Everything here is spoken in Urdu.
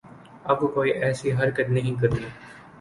آپ کو کوئی ایسی حرکت نہیں کرنی